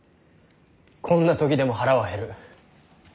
こんな時でも腹は減る。